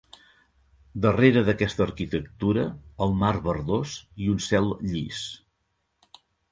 Darrere d'aquesta arquitectura, el mar verdós i un cel llis.